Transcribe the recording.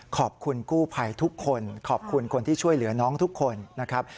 ขอบคุณกู้ภัยทุกคนขอบคุณคนที่ช่วยเหลือน้องทุกคนนะครับ